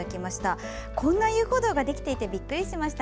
こんな遊歩道ができていてびっくりしました。